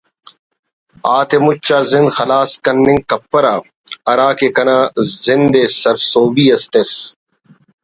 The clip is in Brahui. آتے مچا زند خلاس کننگ کپرہ ہرا کے کنا زند ئے سرسوبی ئس تس